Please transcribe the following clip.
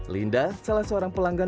linda salah seorang pelanggan